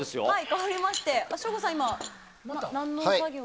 かわりまして、省吾さん何の作業を？